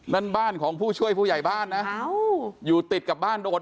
นั่นบ้านของผู้ช่วยผู้ใหญ่บ้านนะอยู่ติดกับบ้านโดด